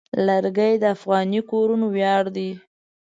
لرګی د افغاني کورنو ویاړ دی.